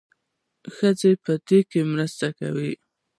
ښځې په دې کې مرسته کوي.